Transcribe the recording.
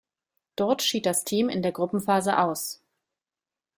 Dort schied das Team in der Gruppenphase aus.